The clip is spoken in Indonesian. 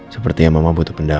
sepertinya mama butuh pendama